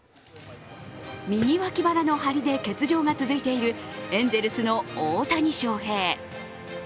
右脇腹の張りで欠場が続いているエンゼルスの大谷翔平。